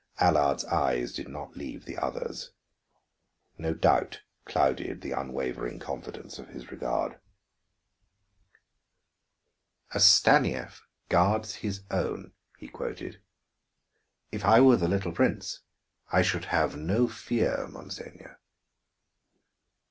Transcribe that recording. Allard's eyes did not leave the other's; no doubt clouded the unwavering confidence of his regard. "'A Stanief guards his own'," he quoted. "If I were the little prince, I should have no fear, monseigneur."